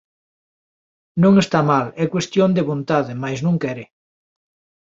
Non está mal; é cuestión de vontade, mais non quere.